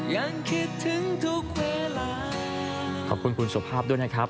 ยังคิดถึงทุกเวลา